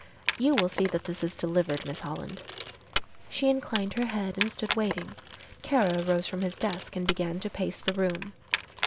"You will see that this is delivered, Miss Holland." She inclined her head and stood waiting. Kara rose from his desk and began to pace the room.